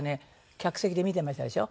客席で見てましたでしょ。